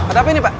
ada apa ini pak